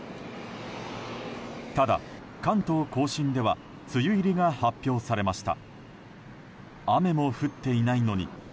ただ、関東・甲信では梅雨入りが発表されました。